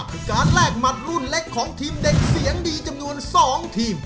คือการแลกหมัดรุ่นเล็กของทีมเด็กเสียงดีจำนวน๒ทีม